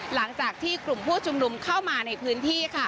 หลังจากที่กลุ่มผู้ชุมนุมเข้ามาในพื้นที่ค่ะ